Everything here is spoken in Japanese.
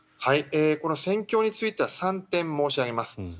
この戦況については３点、申し上げます。